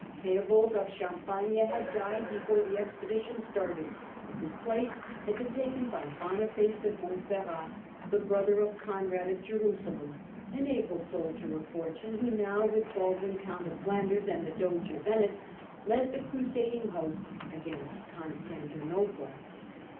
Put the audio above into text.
Theobald of Champagne had died before the expedition started, and his place had been taken by Boniface of Montferrat, the brother of Conrad of Jerusalem, an able soldier of fortune, who now, with Baldwin, Count of Flanders, and the Doge of Venice, led the crusading hosts against Constantinople.